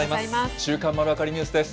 週刊まるわかりニュースです。